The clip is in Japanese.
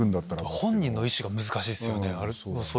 本人の意思が難しいですよね。